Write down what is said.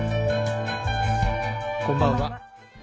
こんばんは。